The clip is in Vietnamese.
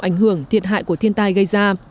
ảnh hưởng thiệt hại của thiên tai gây ra